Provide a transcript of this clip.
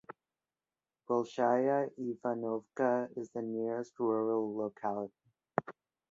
Bolshaya Ivanovka is the nearest rural locality.